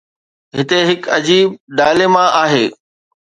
هتي هڪ عجيب dilemma آهي.